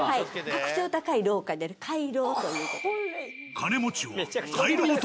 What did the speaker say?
格調高い廊下である回廊という事で。